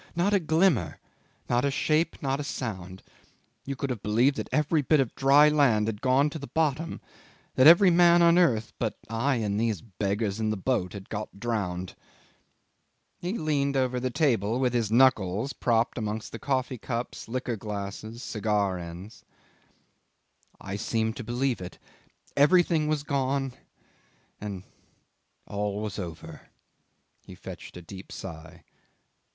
Not a glimmer, not a shape, not a sound. You could have believed that every bit of dry land had gone to the bottom; that every man on earth but I and these beggars in the boat had got drowned." He leaned over the table with his knuckles propped amongst coffee cups, liqueur glasses, cigar ends. "I seemed to believe it. Everything was gone and all was over ..." he fetched a deep sigh